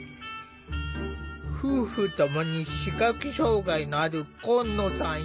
夫婦共に視覚障害のある今野さん一家だ。